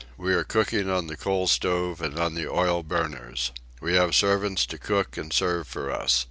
We are cooking on the coal stove and on the oil burners. We have servants to cook and serve for us.